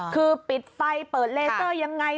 คือปิดไฟเปิดเลเซอร์ยังไง